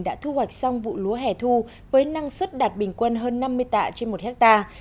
đã thu hoạch xong vụ lúa hẻ thu với năng suất đạt bình quân hơn năm mươi tạ trên một hectare